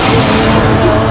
baik ayahanda prabu